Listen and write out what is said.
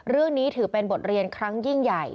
เรื่องนี้ถือเป็นบทเรียนครั้งยิ่งใหญ่